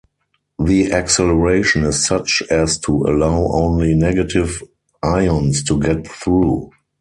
The acceleration is such as to allow only negative ions to get through.